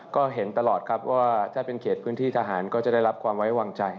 ก็เห็นตลอดครับว่าถ้าเป็นเขตพื้นที่ทหารก็จะได้รับความไว้วางใจ